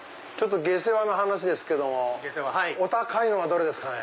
下世話な話ですけどもお高いのはどれですかね？